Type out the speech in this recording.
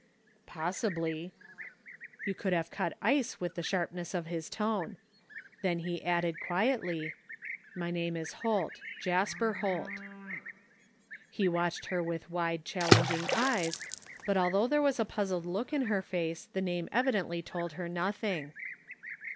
" Possibly !" You could have cut ice with the sharpness of his tone. Then he added quietly :" My name is Holt. Jasper Holt I " He watched her with wide challenging eyes, but although there was a puzzled look in her face the name evidently told her nothing.